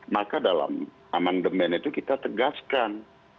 maka dalam amendement itu kita tegaskan